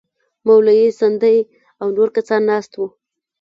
مولوي سندی او نور کسان ناست وو.